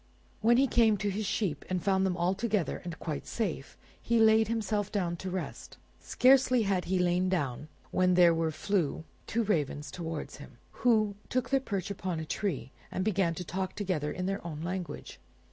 When he came to his sheep and found them all together and quite safe, he laid himself down to rest. Scarcely had he lain down when there flew two ravens toward him, who took their perch upon a tree, and began to talk together in their own language.